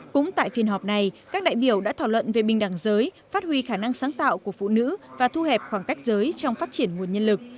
cũng tại phiên họp này các đại biểu đã thảo luận về bình đẳng giới phát huy khả năng sáng tạo của phụ nữ và thu hẹp khoảng cách giới trong phát triển nguồn nhân lực